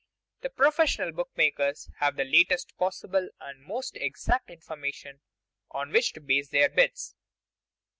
The professional book makers have the latest possible and most exact information on which to base their bids.